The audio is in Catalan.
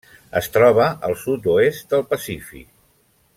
Es troba al sud-oest del Pacífic.